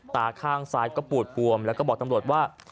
ตาข้างซ้ายก็ปูดปวมแล้วก็บอกตำรวจว่า